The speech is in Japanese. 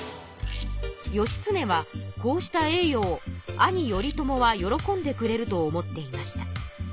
義経はこうした栄よを兄頼朝は喜んでくれると思っていました。